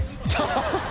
ハハハっ。